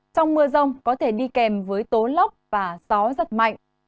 trong mưa rông có thể đi kèm với tố lóc và tó rất mạnh